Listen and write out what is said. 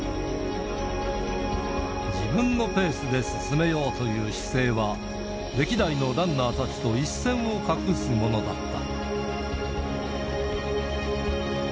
自分のペースで進めようという姿勢は、歴代のランナーたちと一線を画すものだった。